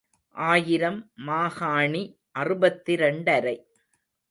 ஆயிரம் மாகாணி அறுபத்திரண்டரை.